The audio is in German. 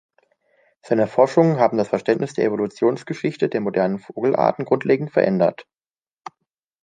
Seine Forschungen haben das Verständnis der Evolutionsgeschichte der modernen Vogelarten grundlegend verändert.